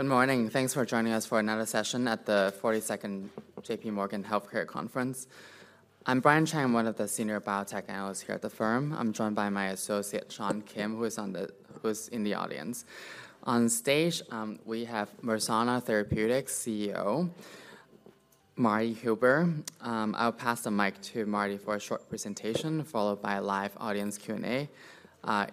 Good morning. Thanks for joining us for another session at the 42nd JPMorgan Healthcare Conference. I'm Brian Cheng, one of the senior biotech analysts here at the firm. I'm joined by my associate, Sean Kim, who is in the audience. On stage, we have Mersana Therapeutics CEO, Martin Huber. I'll pass the mic to Martin for a short presentation, followed by a live audience Q&A.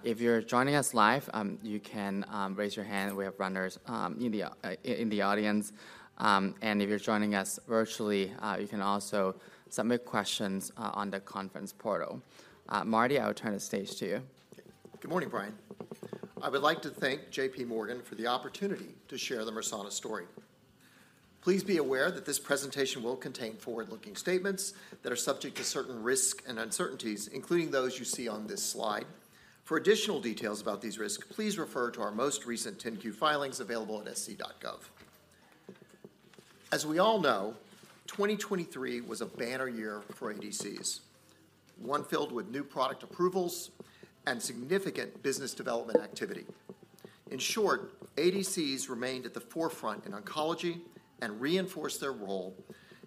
If you're joining us live, you can raise your hand. We have runners in the audience. And if you're joining us virtually, you can also submit questions on the conference portal. Martin, I will turn the stage to you. Good morning, Brian. I would like to thank JPMorgan for the opportunity to share the Mersana story. Please be aware that this presentation will contain forward-looking statements that are subject to certain risks and uncertainties, including those you see on this slide. For additional details about these risks, please refer to our most recent 10-Q filings available at sec.gov. As we all know, 2023 was a banner year for ADCs, one filled with new product approvals and significant business development activity. In short, ADCs remained at the forefront in oncology and reinforced their role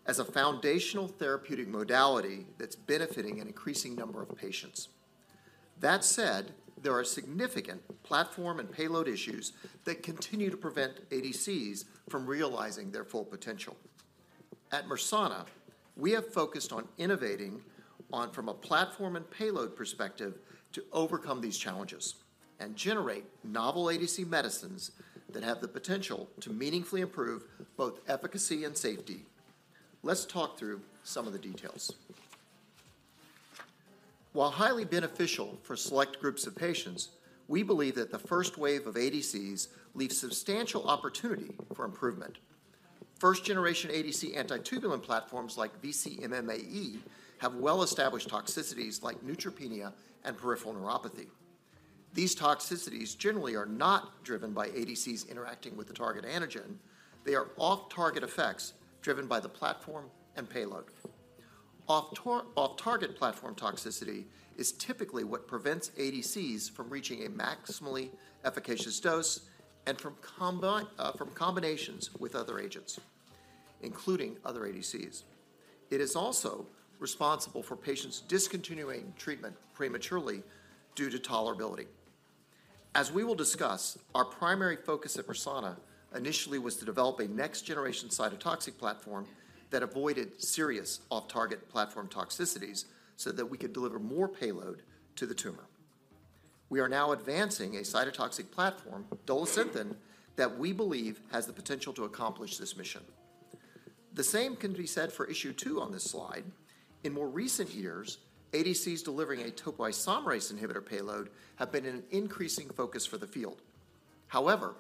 as a foundational therapeutic modality that's benefiting an increasing number of patients. That said, there are significant platform and payload issues that continue to prevent ADCs from realizing their full potential. At Mersana, we have focused on innovating on from a platform and payload perspective to overcome these challenges and generate novel ADC medicines that have the potential to meaningfully improve both efficacy and safety. Let's talk through some of the details. While highly beneficial for select groups of patients, we believe that the first wave of ADCs leaves substantial opportunity for improvement. First-generation ADC anti-tubulin platforms like VC-MMAE have well-established toxicities like neutropenia and peripheral neuropathy. These toxicities generally are not driven by ADCs interacting with the target antigen. They are off-target effects driven by the platform and payload. Off-target platform toxicity is typically what prevents ADCs from reaching a maximally efficacious dose and from combinations with other agents, including other ADCs. It is also responsible for patients discontinuing treatment prematurely due to tolerability. As we will discuss, our primary focus at Mersana initially was to develop a next-generation cytotoxic platform that avoided serious off-target platform toxicities so that we could deliver more payload to the tumor. We are now advancing a cytotoxic platform, Dolasynthen, that we believe has the potential to accomplish this mission. The same can be said for issue two on this slide. In more recent years, ADCs delivering a topoisomerase inhibitor payload have been an increasing focus for the field. However,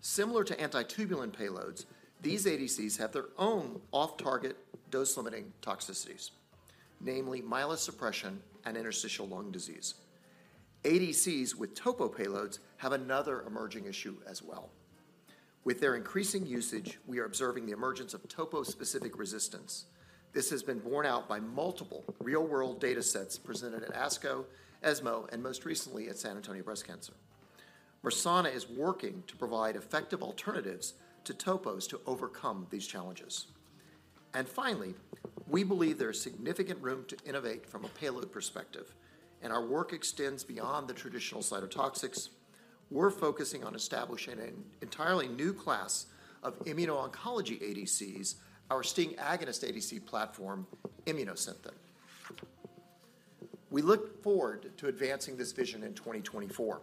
similar to anti-tubulin payloads, these ADCs have their own off-target dose-limiting toxicities, namely myelosuppression and interstitial lung disease. ADCs with topo payloads have another emerging issue as well. With their increasing usage, we are observing the emergence of topo-specific resistance. This has been borne out by multiple real-world datasets presented at ASCO, ESMO, and most recently at San Antonio Breast Cancer Symposium. Mersana is working to provide effective alternatives to topos to overcome these challenges. Finally, we believe there is significant room to innovate from a payload perspective, and our work extends beyond the traditional cytotoxics. We're focusing on establishing an entirely new class of immuno-oncology ADCs, our STING agonist ADC platform, Immunosynthen. We look forward to advancing this vision in 2024.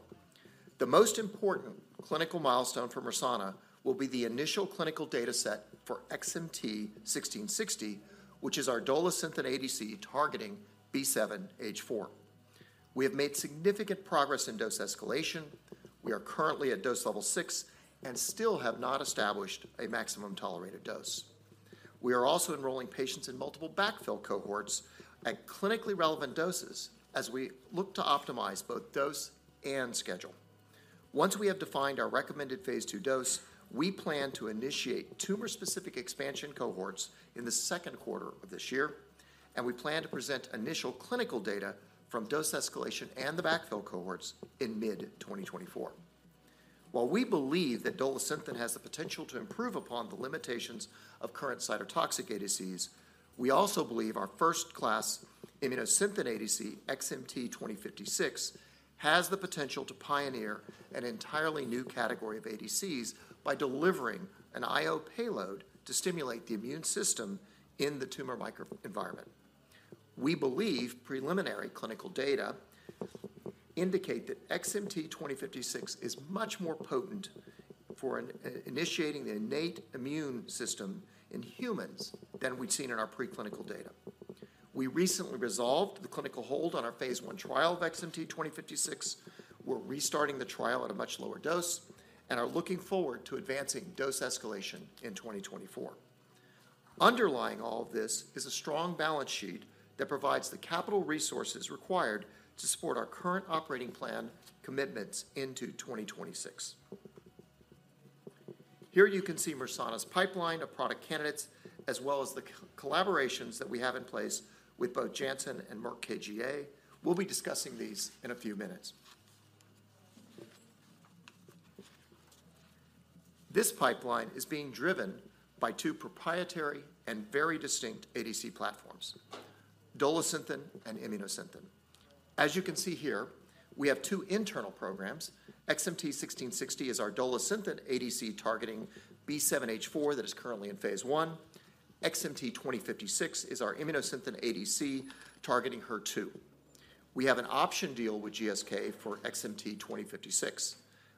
The most important clinical milestone for Mersana will be the initial clinical dataset for XMT-1660, which is our Dolasynthen ADC targeting B7-H4. We have made significant progress in dose escalation. We are currently at dose level 6 and still have not established a maximum tolerated dose. We are also enrolling patients in multiple backfill cohorts at clinically relevant doses as we look to optimize both dose and schedule. Once we have defined our recommended phase II dose, we plan to initiate tumor-specific expansion cohorts in the second quarter of this year, and we plan to present initial clinical data from dose escalation and the backfill cohorts in mid-2024. While we believe that Dolasynthen has the potential to improve upon the limitations of current cytotoxic ADCs, we also believe our first-class Immunosynthen ADC, XMT-2056, has the potential to pioneer an entirely new category of ADCs by delivering an IO payload to stimulate the immune system in the tumor microenvironment. We believe preliminary clinical data indicate that XMT-2056 is much more potent for an initiating the innate immune system in humans than we'd seen in our preclinical data. We recently resolved the clinical hold on our phase I trial of XMT-2056. We're restarting the trial at a much lower dose and are looking forward to advancing dose escalation in 2024. Underlying all of this is a strong balance sheet that provides the capital resources required to support our current operating plan commitments into 2026. Here you can see Mersana's pipeline of product candidates, as well as the collaborations that we have in place with both Janssen and Merck KGaA. We'll be discussing these in a few minutes.... This pipeline is being driven by two proprietary and very distinct ADC platforms, Dolasynthen and Immunosynthen. As you can see here, we have two internal programs. XMT-1660 is our Dolasynthen ADC targeting B7-H4 that is currently in phase I. XMT-2056 is our Immunosynthen ADC targeting HER2. We have an option deal with GSK for XMT-2056.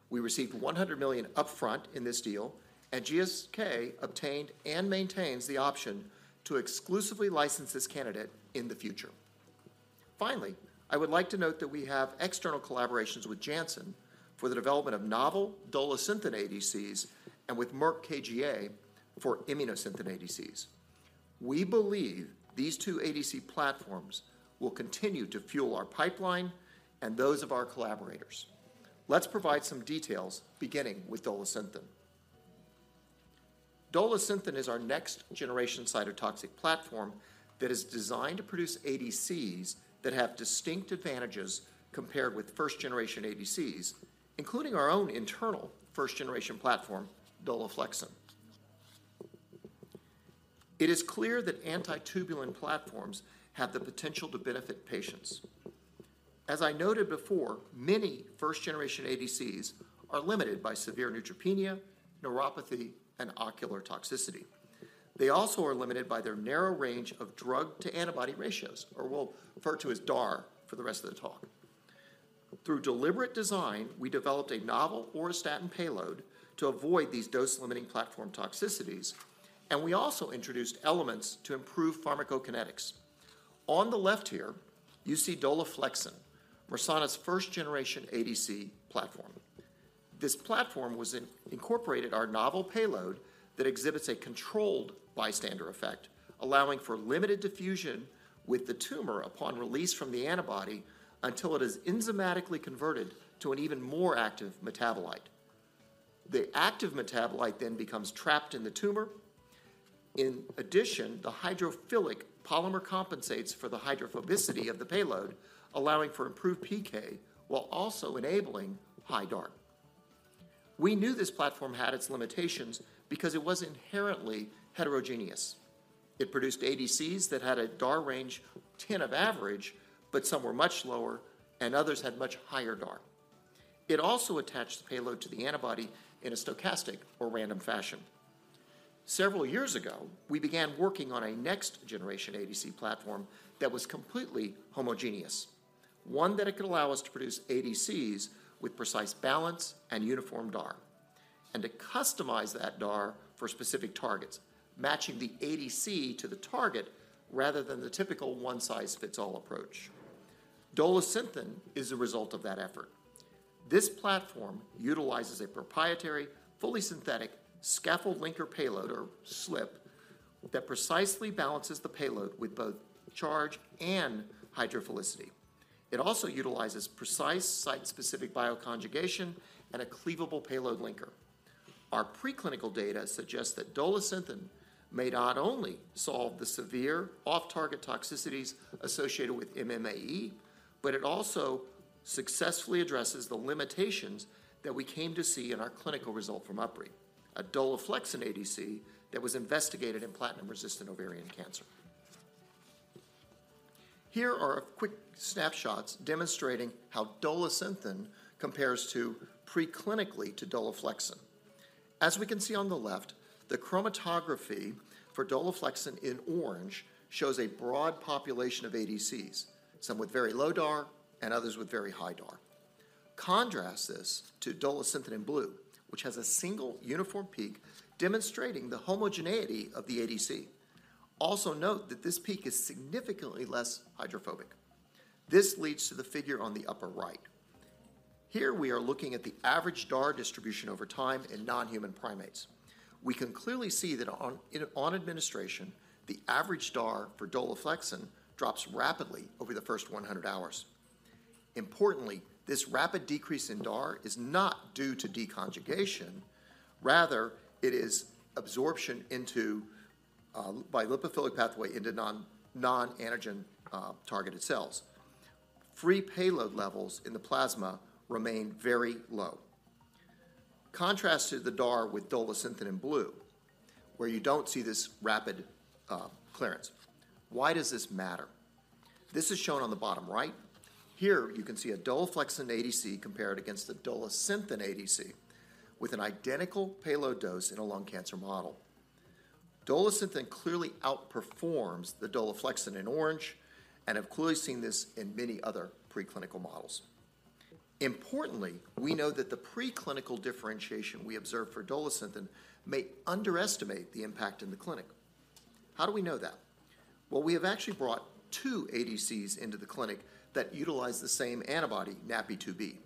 We received $100 million upfront in this deal, and GSK obtained and maintains the option to exclusively license this candidate in the future. Finally, I would like to note that we have external collaborations with Janssen for the development of novel Dolasynthen ADCs and with Merck KGaA for Immunosynthen ADCs. We believe these two ADC platforms will continue to fuel our pipeline and those of our collaborators. Let's provide some details, beginning with Dolasynthen. Dolasynthen is our next-generation cytotoxic platform that is designed to produce ADCs that have distinct advantages compared with first-generation ADCs, including our own internal first-generation platform, Dolaflexin. It is clear that anti-tubulin platforms have the potential to benefit patients. As I noted before, many first-generation ADCs are limited by severe neutropenia, neuropathy, and ocular toxicity. They also are limited by their narrow range of drug-to-antibody ratios, or we'll refer to as DAR for the rest of the talk. Through deliberate design, we developed a novel auristatin payload to avoid these dose-limiting platform toxicities, and we also introduced elements to improve pharmacokinetics. On the left here, you see Dolaflexin, Mersana's first-generation ADC platform. This platform was incorporated our novel payload that exhibits a controlled bystander effect, allowing for limited diffusion with the tumor upon release from the antibody until it is enzymatically converted to an even more active metabolite. The active metabolite then becomes trapped in the tumor. In addition, the hydrophilic polymer compensates for the hydrophobicity of the payload, allowing for improved PK while also enabling high DAR. We knew this platform had its limitations because it was inherently heterogeneous. It produced ADCs that had a DAR range of 10 on average, but some were much lower and others had much higher DAR. It also attached the payload to the antibody in a stochastic or random fashion. Several years ago, we began working on a next-generation ADC platform that was completely homogeneous, one that it could allow us to produce ADCs with precise balance and uniform DAR, and to customize that DAR for specific targets, matching the ADC to the target rather than the typical one-size-fits-all approach. Dolasynthen is a result of that effort. This platform utilizes a proprietary, fully synthetic scaffold linker payload, or SLP, that precisely balances the payload with both charge and hydrophilicity. It also utilizes precise site-specific bioconjugation and a cleavable payload linker. Our preclinical data suggests that Dolasynthen may not only solve the severe off-target toxicities associated with MMAE, but it also successfully addresses the limitations that we came to see in our clinical result from UpRi, a Dolaflexin ADC that was investigated in platinum-resistant ovarian cancer. Here are quick snapshots demonstrating how Dolasynthen compares preclinically to Dolaflexin. As we can see on the left, the chromatography for Dolaflexin in orange shows a broad population of ADCs, some with very low DAR and others with very high DAR. Contrast this to Dolasynthen in blue, which has a single uniform peak demonstrating the homogeneity of the ADC. Also note that this peak is significantly less hydrophobic. This leads to the figure on the upper right. Here, we are looking at the average DAR distribution over time in non-human primates. We can clearly see that on administration, the average DAR for Dolaflexin drops rapidly over the first 100 hours. Importantly, this rapid decrease in DAR is not due to deconjugation, rather, it is absorption by lipophilic pathway into non-antigen targeted cells. Free payload levels in the plasma remain very low. Contrast to the DAR with Dolasynthen in blue, where you don't see this rapid clearance. Why does this matter? This is shown on the bottom right. Here, you can see a Dolaflexin ADC compared against the Dolasynthen ADC with an identical payload dose in a lung cancer model. Dolasynthen clearly outperforms the Dolaflexin in orange, and I've clearly seen this in many other preclinical models. Importantly, we know that the preclinical differentiation we observed for Dolasynthen may underestimate the impact in the clinic. How do we know that? Well, we have actually brought two ADCs into the clinic that utilize the same antibody, NaPi2b.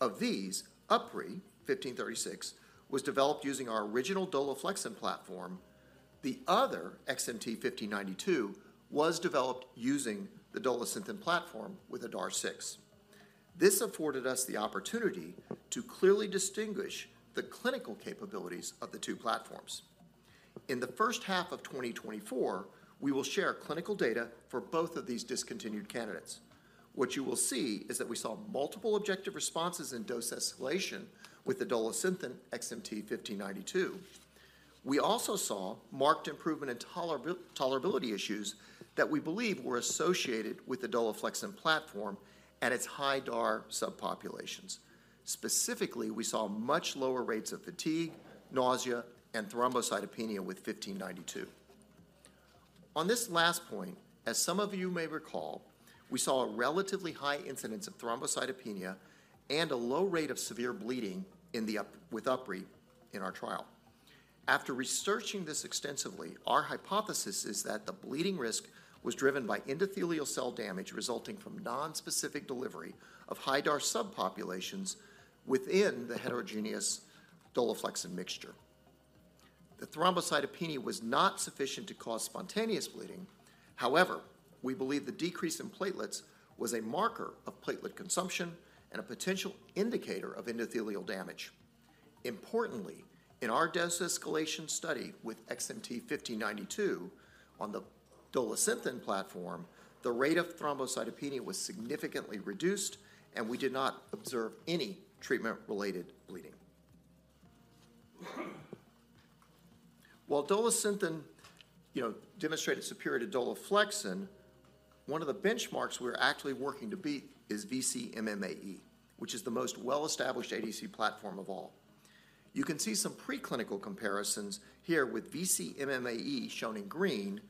Of these, UpRi 1536 was developed using our original Dolaflexin platform. The other, XMT-1592, was developed using the Dolasynthen platform with a DAR 6. This afforded us the opportunity to clearly distinguish the clinical capabilities of the two platforms. In the first half of 2024, we will share clinical data for both of these discontinued candidates. What you will see is that we saw multiple objective responses in dose escalation with the Dolasynthen XMT-1592. We also saw marked improvement in tolerability issues that we believe were associated with the Dolaflexin platform and its high DAR subpopulations. Specifically, we saw much lower rates of fatigue, nausea, and thrombocytopenia with 1592. On this last point, as some of you may recall, we saw a relatively high incidence of thrombocytopenia and a low rate of severe bleeding with UpRi in our trial. After researching this extensively, our hypothesis is that the bleeding risk was driven by endothelial cell damage resulting from non-specific delivery of high DAR subpopulations within the heterogeneous Dolaflexin mixture. The thrombocytopenia was not sufficient to cause spontaneous bleeding. However, we believe the decrease in platelets was a marker of platelet consumption and a potential indicator of endothelial damage. Importantly, in our dose escalation study with XMT-1592 on the Dolasynthen platform, the rate of thrombocytopenia was significantly reduced, and we did not observe any treatment-related bleeding. While Dolasynthen, you know, demonstrated superior to Dolaflexin, one of the benchmarks we're actually working to beat is VC-MMAE, which is the most well-established ADC platform of all. You can see some preclinical comparisons here with VC-MMAE shown in green,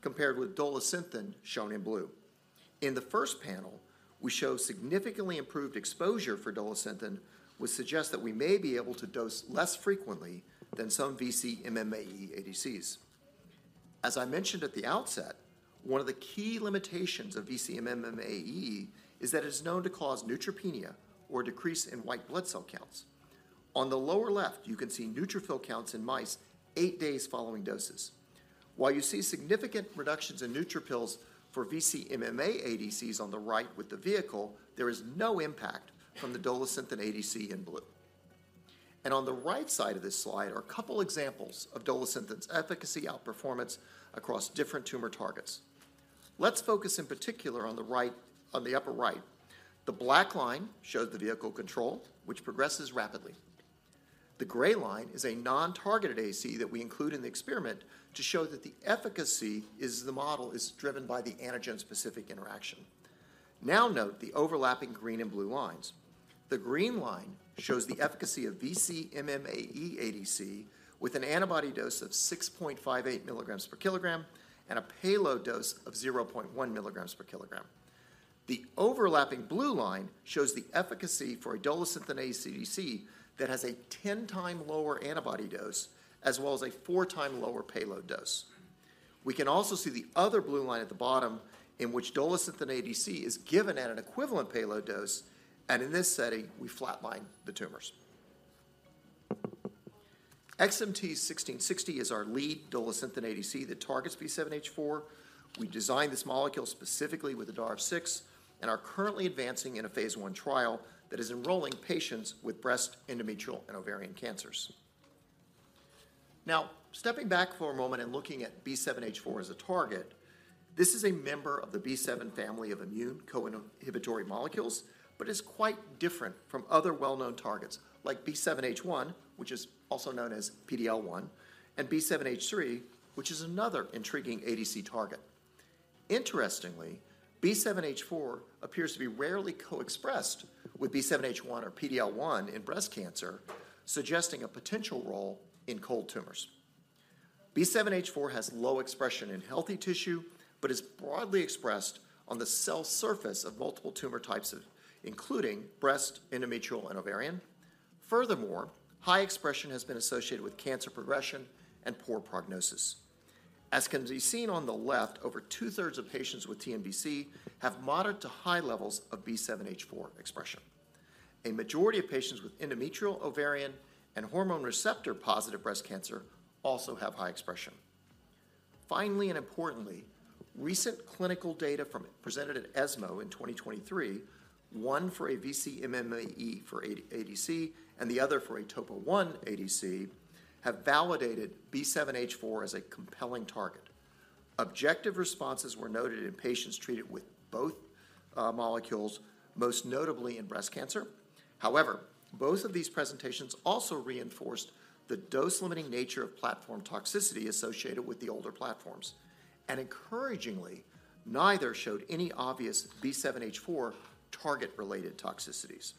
compared with Dolasynthen shown in blue. In the first panel, we show significantly improved exposure for Dolasynthen, which suggests that we may be able to dose less frequently than some VC-MMAE ADCs. As I mentioned at the outset, one of the key limitations of VC-MMAE is that it is known to cause neutropenia or decrease in white blood cell counts. On the lower left, you can see neutrophil counts in mice eight days following doses. While you see significant reductions in neutrophils for VC-MMAE ADCs on the right with the vehicle, there is no impact from the Dolasynthen ADC in blue. On the right side of this slide are a couple examples of Dolasynthen's efficacy outperformance across different tumor targets. Let's focus in particular on the right, on the upper right. The black line shows the vehicle control, which progresses rapidly. The gray line is a non-targeted ADC that we include in the experiment to show that the efficacy is the model is driven by the antigen-specific interaction. Now, note the overlapping green and blue lines. The green line shows the efficacy of VC-MMAE ADC with an antibody dose of 6.58 mg/kg and a payload dose of 0.1 mg/kg. The overlapping blue line shows the efficacy for a Dolasynthen ADC that has a 10-time lower antibody dose, as well as a 4-time lower payload dose. We can also see the other blue line at the bottom in which Dolasynthen ADC is given at an equivalent payload dose, and in this setting, we flatline the tumors. XMT-1660 is our lead Dolasynthen ADC that targets B7-H4. We designed this molecule specifically with the DAR 6 and are currently advancing in a phase I trial that is enrolling patients with breast, endometrial, and ovarian cancers. Now, stepping back for a moment and looking at B7-H4 as a target, this is a member of the B7 family of immune co-inhibitory molecules, but is quite different from other well-known targets like B7-H1, which is also known as PD-L1, and B7-H3, which is another intriguing ADC target. Interestingly, B7-H4 appears to be rarely co-expressed with B7-H1 or PD-L1 in breast cancer, suggesting a potential role in cold tumors. B7-H4 has low expression in healthy tissue but is broadly expressed on the cell surface of multiple tumor types, including breast, endometrial, and ovarian. Furthermore, high expression has been associated with cancer progression and poor prognosis. As can be seen on the left, over 2/3 of patients with TNBC have moderate to high levels of B7-H4 expression. A majority of patients with endometrial, ovarian, and hormone receptor-positive breast cancer also have high expression. Finally, and importantly, recent clinical data presented at ESMO in 2023, one for a VC-MMAE ADC and the other for a topo-1 ADC, have validated B7-H4 as a compelling target. Objective responses were noted in patients treated with both molecules, most notably in breast cancer. However, both of these presentations also reinforced the dose-limiting nature of platform toxicity associated with the older platforms. And encouragingly, neither showed any obvious B7-H4 target-related toxicities.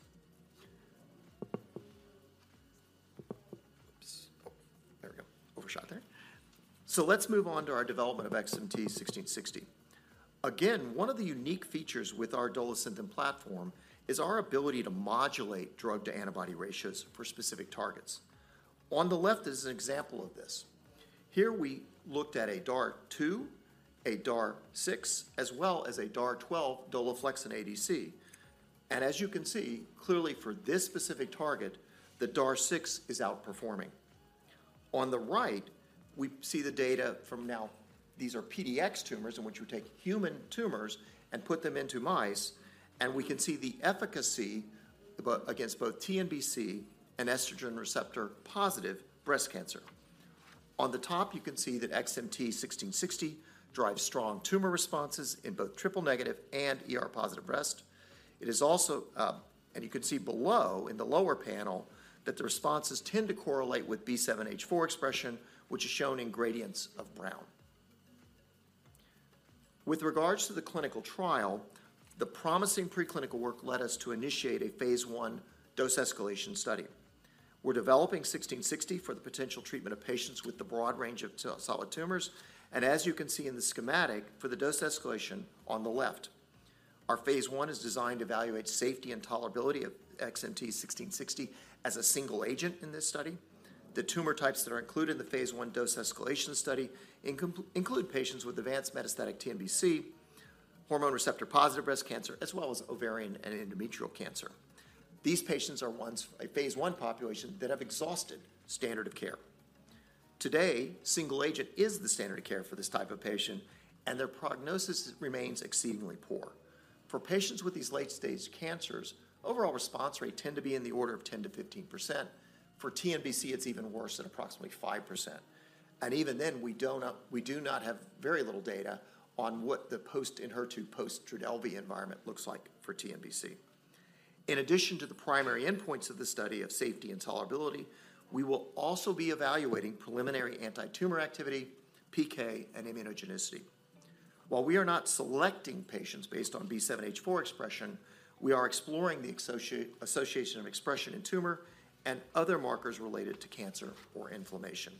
Oops. Oh, there we go. Overshot there. So let's move on to our development of XMT-1660. Again, one of the unique features with our Dolasynthen platform is our ability to modulate drug-to-antibody ratios for specific targets. On the left is an example of this. Here, we looked at a DAR 2, a DAR 6, as well as a DAR 12 Dolaflexin ADC. As you can see, clearly for this specific target, the DAR 6 is outperforming. On the right, we see the data from our PDX tumors, in which we take human tumors and put them into mice, and we can see the efficacy but against both TNBC and estrogen receptor-positive breast cancer. On the top, you can see that XMT-1660 drives strong tumor responses in both triple-negative and ER-positive breast. It is also. You can see below, in the lower panel, that the responses tend to correlate with B7-H4 expression, which is shown in gradients of brown. With regards to the clinical trial, the promising preclinical work led us to initiate a phase I dose-escalation study. We're developing XMT-1660 for the potential treatment of patients with the broad range of solid tumors, and as you can see in the schematic, for the dose escalation on the left, our phase I is designed to evaluate safety and tolerability of XMT-1660 as a single agent in this study. The tumor types that are included in the phase I dose-escalation study include patients with advanced metastatic TNBC, hormone receptor-positive breast cancer, as well as ovarian and endometrial cancer. These patients are ones, a phase I population, that have exhausted standard of care. Today, single agent is the standard of care for this type of patient, and their prognosis remains exceedingly poor. For patients with these late-stage cancers, overall response rate tend to be in the order of 10%-15%. For TNBC, it's even worse at approximately 5%. Even then, we do not have very little data on what the post-Enhertu, post-Trodelvy environment looks like for TNBC. In addition to the primary endpoints of the study of safety and tolerability, we will also be evaluating preliminary antitumor activity, PK, and immunogenicity. While we are not selecting patients based on B7-H4 expression, we are exploring the association of expression in tumor and other markers related to cancer or inflammation.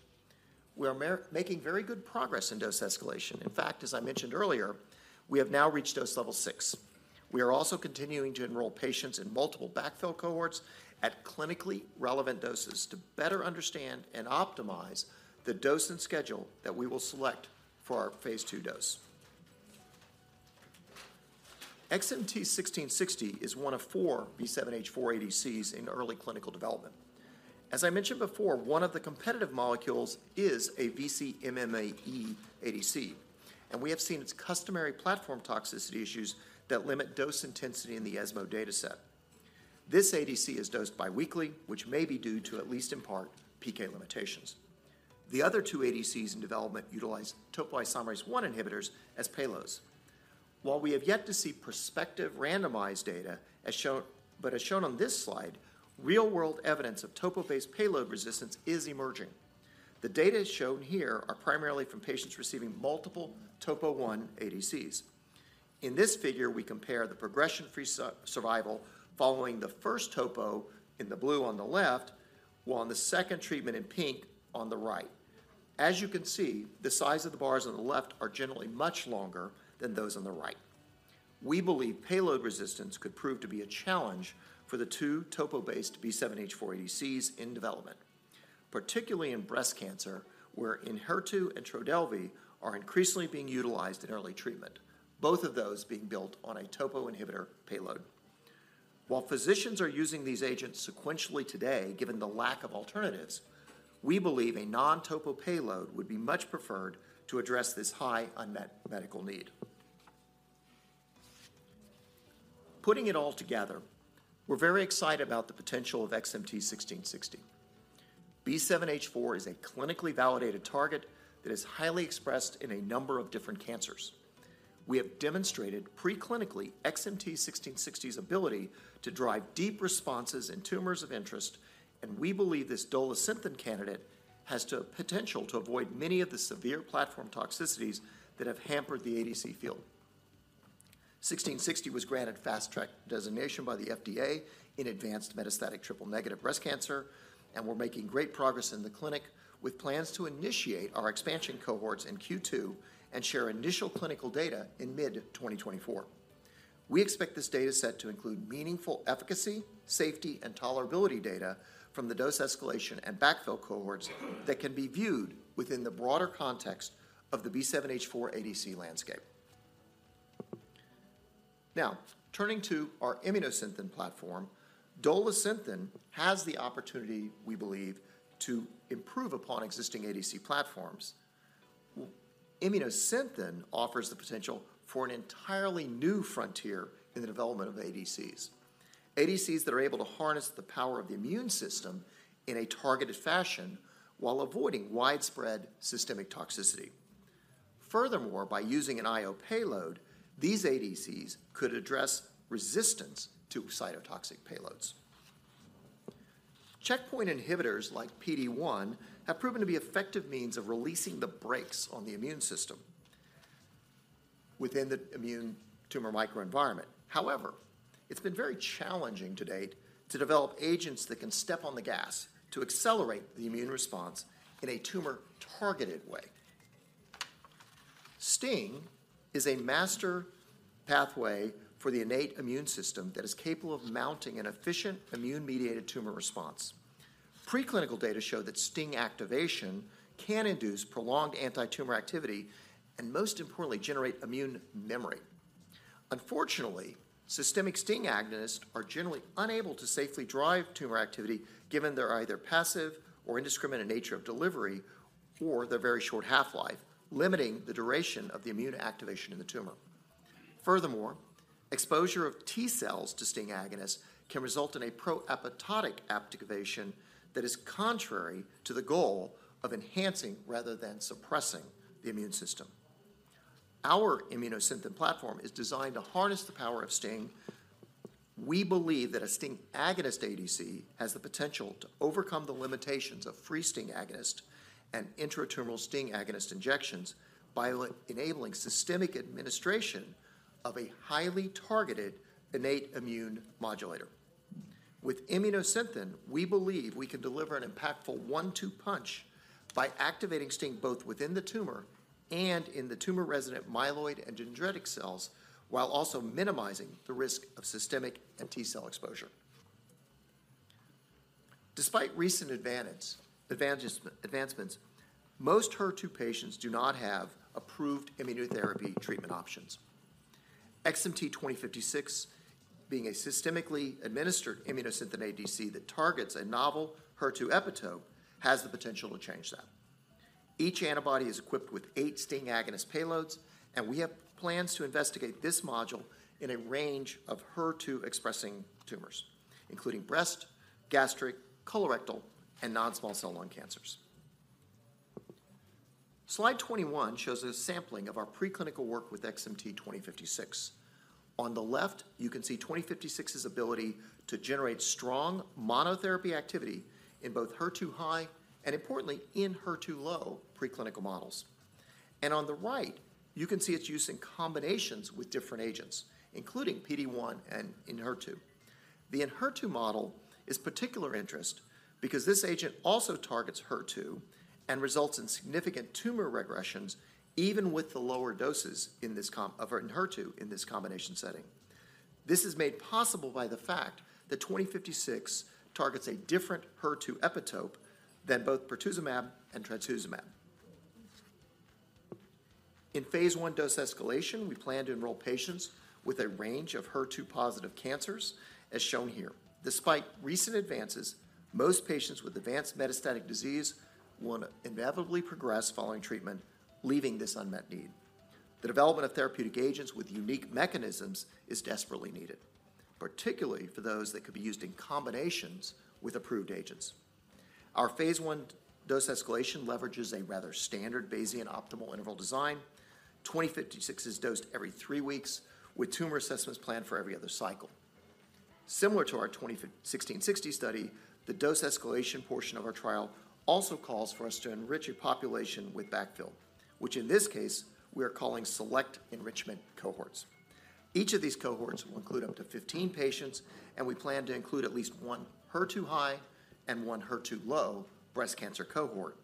We are making very good progress in dose escalation. In fact, as I mentioned earlier, we have now reached dose level 6. We are also continuing to enroll patients in multiple backfill cohorts at clinically relevant doses to better understand and optimize the dose and schedule that we will select for our phase II dose. XMT-1660 is one of four B7-H4 ADCs in early clinical development. As I mentioned before, one of the competitive molecules is a VC-MMAE ADC, and we have seen its customary platform toxicity issues that limit dose intensity in the ESMO data set. This ADC is dosed biweekly, which may be due to, at least in part, PK limitations. The other two ADCs in development utilize topoisomerase-1 inhibitors as payloads. While we have yet to see prospective randomized data, but as shown on this slide, real-world evidence of topo-1-based payload resistance is emerging. The data shown here are primarily from patients receiving multiple topo-1 ADCs. In this figure, we compare the progression-free survival following the first topo in the blue on the left, while on the second treatment in pink on the right. As you can see, the size of the bars on the left are generally much longer than those on the right. We believe payload resistance could prove to be a challenge for the two topo-based B7-H4 ADCs in development, particularly in breast cancer, where Enhertu and Trodelvy are increasingly being utilized in early treatment, both of those being built on a topo inhibitor payload. While physicians are using these agents sequentially today, given the lack of alternatives, we believe a non-topo payload would be much preferred to address this high unmet medical need. Putting it all together, we're very excited about the potential of XMT-1660. B7-H4 is a clinically validated target that is highly expressed in a number of different cancers. We have demonstrated preclinically XMT-1660's ability to drive deep responses in tumors of interest, and we believe this Dolasynthen candidate has potential to avoid many of the severe platform toxicities that have hampered the ADC field. Sixteen sixty was granted Fast Track Designation by the FDA in advanced metastatic triple-negative breast cancer, and we're making great progress in the clinic, with plans to initiate our expansion cohorts in Q2 and share initial clinical data in mid-2024. We expect this data set to include meaningful efficacy, safety, and tolerability data from the dose escalation and backfill cohorts that can be viewed within the broader context of the B7-H4 ADC landscape. Now, turning to our Immunosynthen platform, Dolasynthen has the opportunity, we believe, to improve upon existing ADC platforms. Immunosynthen offers the potential for an entirely new frontier in the development of ADCs, ADCs that are able to harness the power of the immune system in a targeted fashion while avoiding widespread systemic toxicity. Furthermore, by using an IO payload, these ADCs could address resistance to cytotoxic payloads. Checkpoint inhibitors like PD-1 have proven to be effective means of releasing the brakes on the immune system within the immune tumor microenvironment. However, it's been very challenging to date to develop agents that can step on the gas to accelerate the immune response in a tumor-targeted way. STING is a master pathway for the innate immune system that is capable of mounting an efficient immune-mediated tumor response. Preclinical data show that STING activation can induce prolonged antitumor activity and, most importantly, generate immune memory. Unfortunately, systemic STING agonists are generally unable to safely drive tumor activity given their either passive or indiscriminate nature of delivery or their very short half-life, limiting the duration of the immune activation in the tumor. Furthermore, exposure of T cells to STING agonists can result in a pro-apoptotic activation that is contrary to the goal of enhancing rather than suppressing the immune system. Our Immunosynthen platform is designed to harness the power of STING. We believe that a STING agonist ADC has the potential to overcome the limitations of free STING agonist and intratumoral STING agonist injections by enabling systemic administration of a highly targeted innate immune modulator. With Immunosynthen, we believe we can deliver an impactful one-two punch by activating STING both within the tumor and in the tumor-resident myeloid and dendritic cells, while also minimizing the risk of systemic and T cell exposure. Despite recent advancements, most HER2 patients do not have approved immunotherapy treatment options. XMT-2056, being a systemically administered Immunosynthen ADC that targets a novel HER2 epitope, has the potential to change that. Each antibody is equipped with eight STING agonist payloads, and we have plans to investigate this molecule in a range of HER2-expressing tumors, including breast, gastric, colorectal, and non-small cell lung cancers. Slide 21 shows a sampling of our preclinical work with XMT-2056. On the left, you can see XMT-2056's ability to generate strong monotherapy activity in both HER2 high and, importantly, in HER2 low preclinical models. On the right, you can see its use in combinations with different agents, including PD-1 and Enhertu. The Enhertu model is particular interest because this agent also targets HER2 and results in significant tumor regressions, even with the lower doses in this of Enhertu in this combination setting. This is made possible by the fact that 2056 targets a different HER2 epitope than both pertuzumab and trastuzumab. In phase I dose escalation, we plan to enroll patients with a range of HER2-positive cancers, as shown here. Despite recent advances, most patients with advanced metastatic disease will inevitably progress following treatment, leaving this unmet need. The development of therapeutic agents with unique mechanisms is desperately needed, particularly for those that could be used in combinations with approved agents. Our phase I dose escalation leverages a rather standard Bayesian optimal interval design. 2056 is dosed every three weeks, with tumor assessments planned for every other cycle. Similar to our XMT-1660 study, the dose escalation portion of our trial also calls for us to enrich a population with backfill, which in this case, we are calling select enrichment cohorts. Each of these cohorts will include up to 15 patients, and we plan to include at least one HER2 high and one HER2 low breast cancer cohort.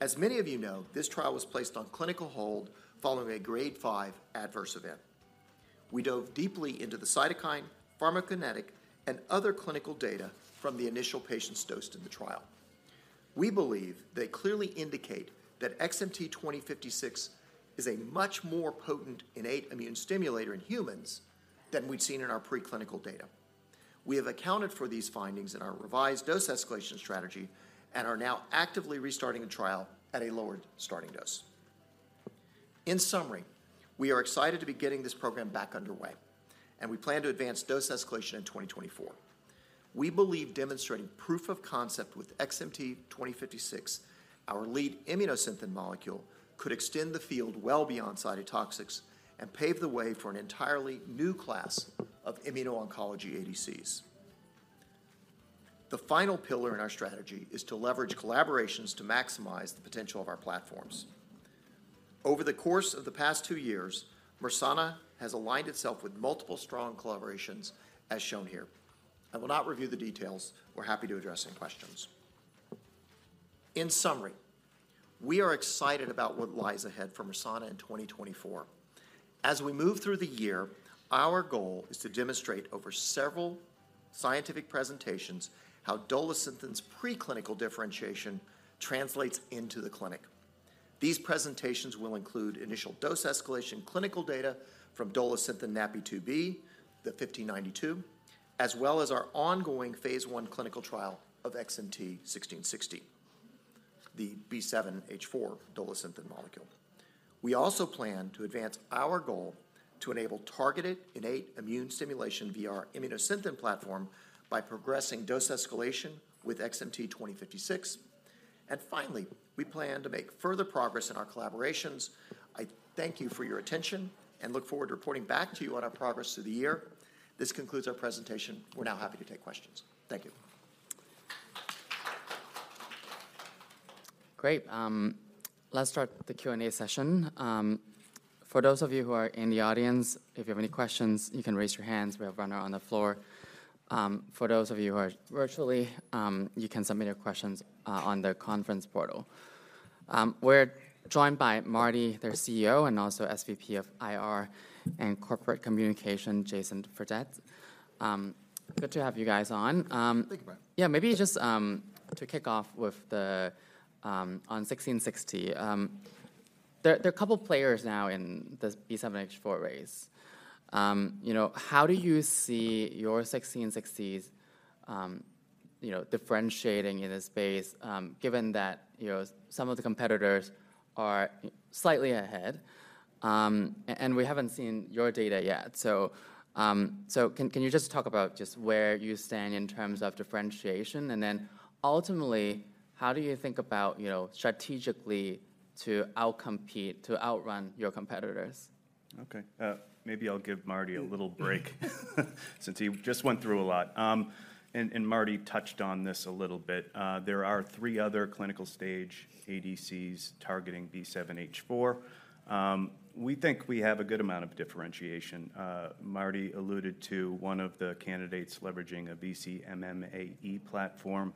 As many of you know, this trial was placed on clinical hold following a Grade 5 adverse event. We dove deeply into the cytokine, pharmacokinetic, and other clinical data from the initial patients dosed in the trial. We believe they clearly indicate that XMT-2056 is a much more potent innate immune stimulator in humans than we'd seen in our preclinical data. We have accounted for these findings in our revised dose escalation strategy and are now actively restarting the trial at a lower starting dose. In summary, we are excited to be getting this program back underway, and we plan to advance dose escalation in 2024. We believe demonstrating proof of concept with XMT-2056, our lead Immunosynthen molecule, could extend the field well beyond cytotoxics and pave the way for an entirely new class of immuno-oncology ADCs. The final pillar in our strategy is to leverage collaborations to maximize the potential of our platforms. Over the course of the past two years, Mersana has aligned itself with multiple strong collaborations, as shown here. I will not review the details. We're happy to address any questions. In summary, we are excited about what lies ahead for Mersana in 2024. As we move through the year, our goal is to demonstrate over several scientific presentations how Dolasynthen's preclinical differentiation translates into the clinic. These presentations will include initial dose escalation clinical data from Dolasynthen NaPi2b, the XMT-1592, as well as our ongoing phase I clinical trial of XMT-1660, the B7-H4 Dolasynthen molecule. We also plan to advance our goal to enable targeted innate immune stimulation via our Immunosynthen platform by progressing dose escalation with XMT-2056. Finally, we plan to make further progress in our collaborations. I thank you for your attention and look forward to reporting back to you on our progress through the year. This concludes our presentation. We're now happy to take questions. Thank you. Great. Let's start the Q&A session. For those of you who are in the audience, if you have any questions, you can raise your hands. We have a runner on the floor. For those of you who are virtually, you can submit your questions on the conference portal. We're joined by Martin, their CEO, and also SVP of IR and Corporate Communication, Jason Fredette. Good to have you guys on. Thank you, Brian. Yeah, maybe just to kick off with the on XMT-1660. There are a couple players now in this B7-H4 race. You know, how do you see your XMT-1660 differentiating in this space, you know, given that some of the competitors are slightly ahead, and we haven't seen your data yet? So, can you just talk about just where you stand in terms of differentiation, and then ultimately, how do you think about, you know, strategically to out-compete, to outrun your competitors? Okay. Maybe I'll give Martin a little break, since he just went through a lot. And Martin touched on this a little bit. There are three other clinical-stage ADCs targeting B7-H4. We think we have a good amount of differentiation. Martin alluded to one of the candidates leveraging a VC-MMAE platform.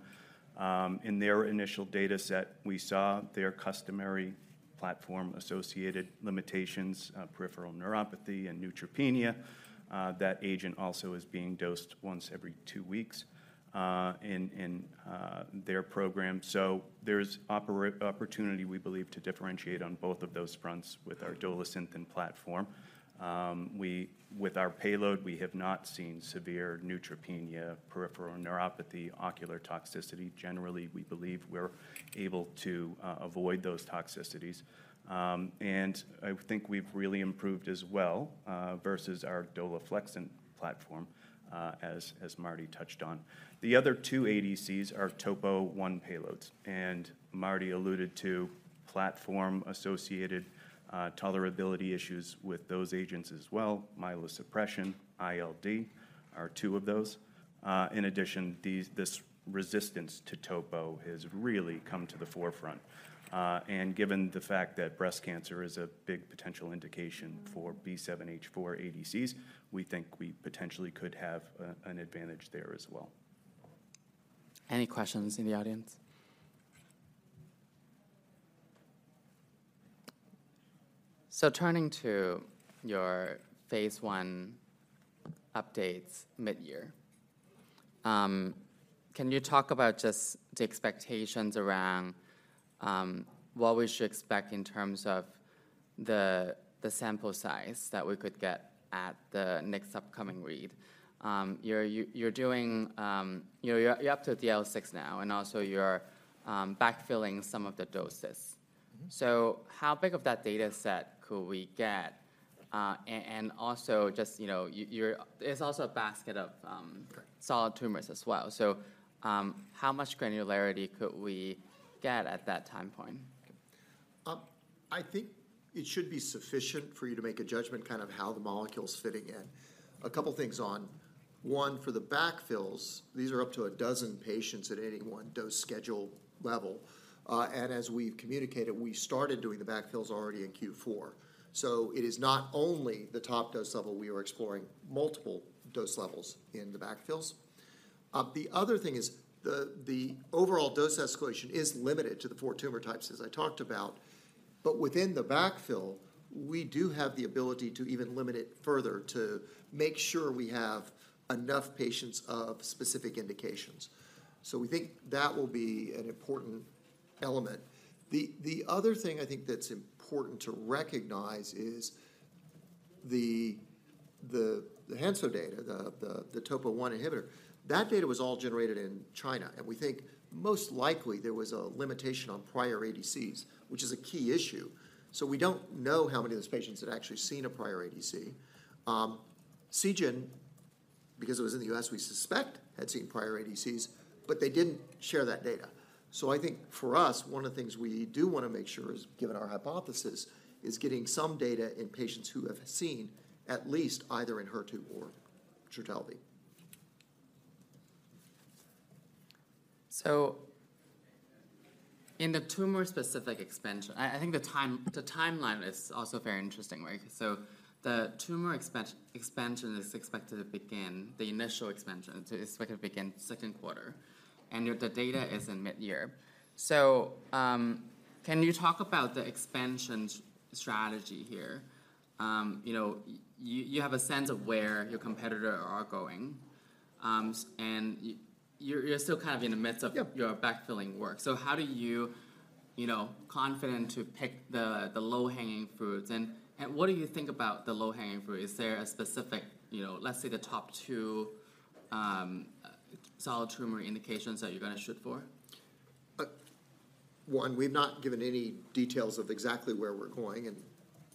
In their initial data set, we saw their customary platform-associated limitations, peripheral neuropathy and neutropenia. That agent also is being dosed once every two weeks in their program. So there's opportunity, we believe, to differentiate on both of those fronts with our Dolasynthen platform. With our payload, we have not seen severe neutropenia, peripheral neuropathy, ocular toxicity. Generally, we believe we're able to avoid those toxicities. And I think we've really improved as well versus our Dolaflexin platform, as Martin touched on. The other two ADCs are topo-1 payloads, and Martin alluded to platform-associated tolerability issues with those agents as well. Myelosuppression, ILD, are two of those. In addition, this resistance to topo has really come to the forefront. And given the fact that breast cancer is a big potential indication for B7-H4 ADCs, we think we potentially could have an advantage there as well. Any questions in the audience? Turning to your phase I updates mid-year, can you talk about just the expectations around what we should expect in terms of the sample size that we could get at the next upcoming read? You're up to DL6 now, and also you're backfilling some of the doses. Mm-hmm. So how big of that data set could we get? And also just, you know, you're, there's also a basket of Correct... solid tumors as well. So, how much granularity could we get at that time point? I think it should be sufficient for you to make a judgment, kind of how the molecule's fitting in. A couple things on one. For the backfills, these are up to a dozen patients at any one dose schedule level. And as we've communicated, we started doing the backfills already in Q4. So it is not only the top dose level, we are exploring multiple dose levels in the backfills. The other thing is, the overall dose escalation is limited to the four tumor types, as I talked about. But within the backfill, we do have the ability to even limit it further to make sure we have enough patients of specific indications. So we think that will be an important element. The other thing I think that's important to recognize is the Hansoh data, the Topo-1 inhibitor, that data was all generated in China, and we think most likely there was a limitation on prior ADCs, which is a key issue. So we don't know how many of those patients had actually seen a prior ADC. Seagen, because it was in the U.S., we suspect had seen prior ADCs, but they didn't share that data. So I think for us, one of the things we do wanna make sure is, given our hypothesis, getting some data in patients who have seen at least either Enhertu or Trodelvy. So in the tumor-specific expansion, I think the timeline is also very interesting, right? So the tumor expansion is expected to begin, the initial expansion is expected to begin second quarter, and the data is in mid-year. So, can you talk about the expansion strategy here? You know, you have a sense of where your competitor are going, and you're still kind of in the midst of- Yep... your backfilling work. So how do you, you know, confident to pick the low-hanging fruits? And what do you think about the low-hanging fruit? Is there a specific, you know, let's say, the top two solid tumor indications that you're gonna shoot for? One, we've not given any details of exactly where we're going, and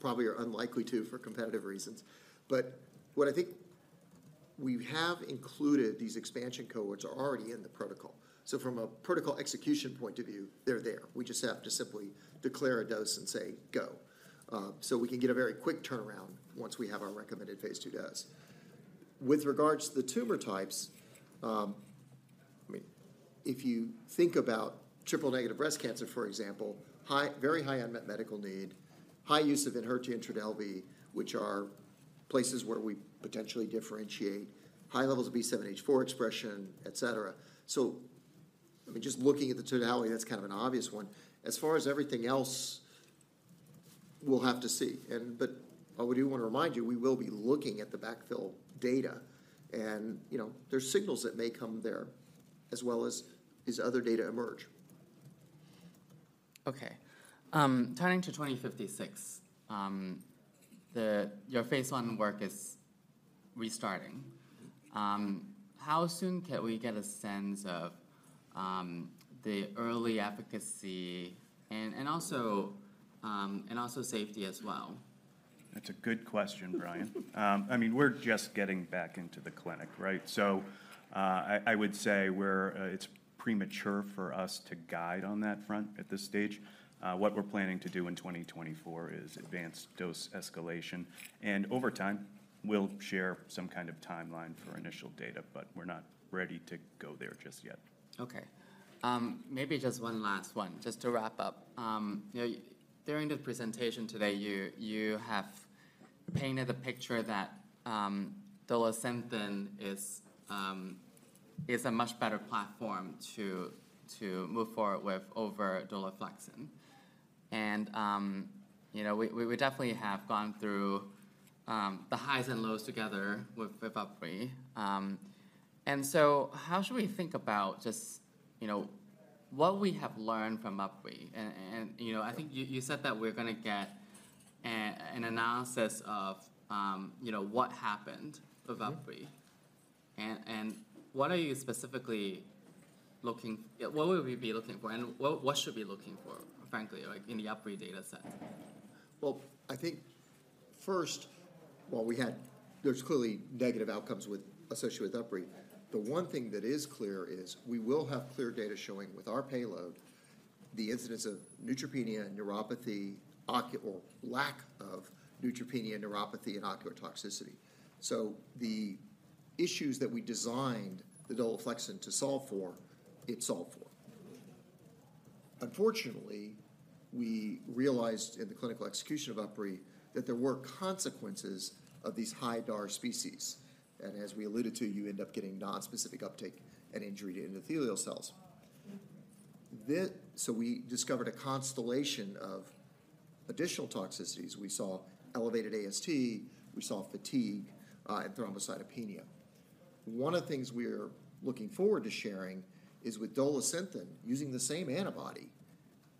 probably are unlikely to, for competitive reasons. But what I think we have included, these expansion cohorts are already in the protocol. So from a protocol execution point of view, they're there. We just have to simply declare a dose and say, "Go." So we can get a very quick turnaround once we have our recommended phase II dose. With regards to the tumor types, I mean, if you think about triple-negative breast cancer, for example, very high unmet medical need, high use of Enhertu and Trodelvy, which are places where we potentially differentiate, high levels of B7-H4 expression, et cetera. So, I mean, just looking at the totality, that's kind of an obvious one. As far as everything else, we'll have to see. But what we do wanna remind you, we will be looking at the backfill data... and, you know, there's signals that may come there, as well as these other data emerge. Okay. Turning to XMT-2056, your phase I work is restarting. How soon can we get a sense of the early efficacy and also safety as well? That's a good question, Brian. I mean, we're just getting back into the clinic, right? So, I would say we're, it's premature for us to guide on that front at this stage. What we're planning to do in 2024 is advanced dose escalation, and over time, we'll share some kind of timeline for initial data, but we're not ready to go there just yet. Okay. Maybe just one last one, just to wrap up. You know, during the presentation today, you have painted a picture that Dolasynthen is a much better platform to move forward with over Dolaflexin. And you know, we definitely have gone through the highs and lows together with UpRi. And so how should we think about just, you know, what we have learned from UpRi? And you know, I think you said that we're gonna get an analysis of, you know, what happened with UpRi. Mm-hmm. What are you specifically looking... what will we be looking for, and what should we be looking for, frankly, like, in the UpRi data set? Well, I think first, while we had, there's clearly negative outcomes with, associated with UpRi, the one thing that is clear is we will have clear data showing with our payload the incidence of neutropenia and neuropathy, or lack of neutropenia, neuropathy, and ocular toxicity. So the issues that we designed the Dolaflexin to solve for, it solved for. Unfortunately, we realized in the clinical execution of UpRi, that there were consequences of these high DAR species, and as we alluded to, you end up getting nonspecific uptake and injury to endothelial cells. So we discovered a constellation of additional toxicities. We saw elevated AST, we saw fatigue, and thrombocytopenia. One of the things we're looking forward to sharing is with Dolasynthen, using the same antibody,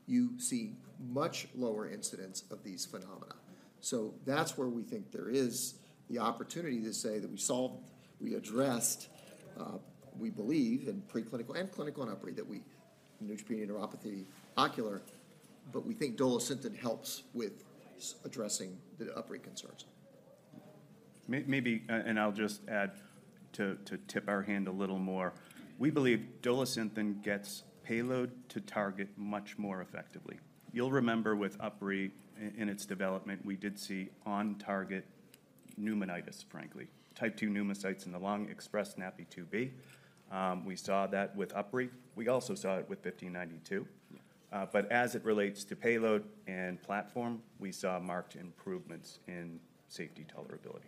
you see much lower incidence of these phenomena. So that's where we think there is the opportunity to say that we solved, we addressed, we believe, in preclinical and clinical in UpRi, that we neutropenia, neuropathy, ocular, but we think Dolasynthen helps with addressing the UpRi concerns. Maybe, and I'll just add to tip our hand a little more. We believe Dolasynthen gets payload to target much more effectively. You'll remember with UpRi, in its development, we did see on-target pneumonitis, frankly. Type II pneumocytes in the lung express NaPi2b. We saw that with UpRi. We also saw it with XMT-1592. But as it relates to payload and platform, we saw marked improvements in safety tolerability.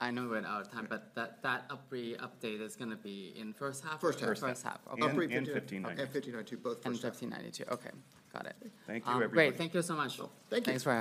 I know we're out of time, but that, that UpRi update is gonna be in first half or- First half. First half, okay. 1592. 1592, both first half. 1592. Okay, got it. Thank you, everybody. Great. Thank you so much. Thank you. Thanks, everyone.